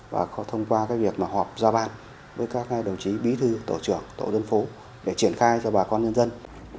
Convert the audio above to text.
và thông qua việc họp gia ban với các đồng chí bí thư tổ trưởng tổ dân phố để triển khai cho bà con nhân dân